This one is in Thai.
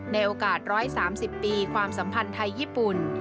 ในโอกาส๑๓๐ปีความสัมพันธ์ไทยญี่ปุ่น